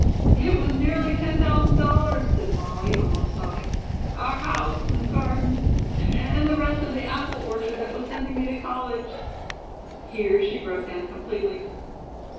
"It was nearly ten thousand dollars," said Molly, almost sobbing; "our house and garden and the rest of the apple orchard that was sending me to college " Here she broke down completely.